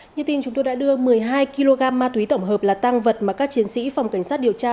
như tin chúng tôi đã đưa một mươi hai kg ma túy tổng hợp là tăng vật mà các chiến sĩ phòng cảnh sát điều tra